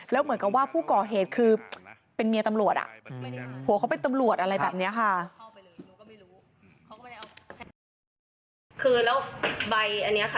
แล้วเหมือนกับว่าผู้ก่อเหตุคือเป็นเมียตำรวจอ่ะผัวเขาเป็นตำรวจอะไรแบบนี้ค่ะ